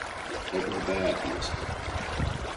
‘Open the bag!’ he whispered.